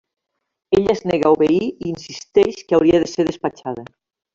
Ella es nega a obeir i insisteix que hauria de ser despatxada.